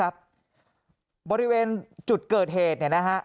บริเวณจุดเกิดเหตุ